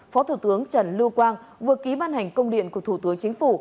phó thủ tướng trần lưu quang vừa ký ban hành công điện của thủ tướng chính phủ